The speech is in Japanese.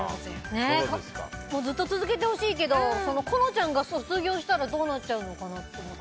ずっと続けてほしいけど小暖ちゃんが卒業したらどうなっちゃうのかなって。